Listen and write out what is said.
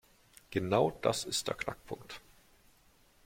Genau das ist der Knackpunkt.